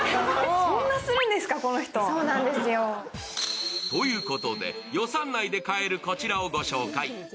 こんなするんですか、この人。ということで、予算内で買えるこちらを御紹介。